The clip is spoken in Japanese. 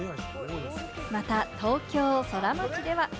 また東京ソラマチでは。